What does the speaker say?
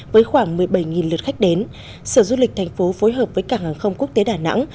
với khoảng một mươi bảy lượt khách đến sở du lịch thành phố phối hợp với cảng hàng không quốc tế đà nẵng